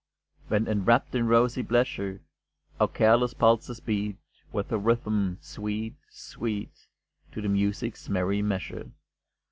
When enwrapped in rosy pleasure, Our careless pulses beat, With a rhythm sweet, sweet, To the music's merry measure.